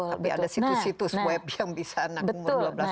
tapi ada situs situs web yang bisa anak umur dua belas tahun